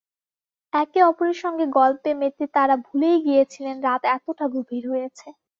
একে অপরের সঙ্গে গল্পে মেতে তাঁরা ভুলেই গিয়েছিলেন রাত এতটা গভীর হয়েছে।